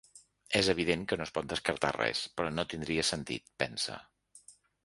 És evident que no es pot descartar res, però no tindria sentit, pensa.